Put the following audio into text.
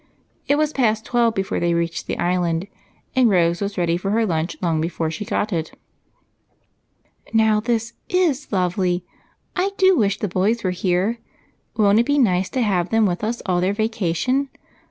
It was past twelve before they reached the Island, and Rose was ready for her lunch long before she got it. " Now this is lovely ! I do wish the boys were here. Won't it be nice to have them with us all their vacation?